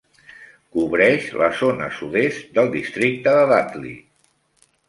Cobreix la zona sud-est del districte de Dudley.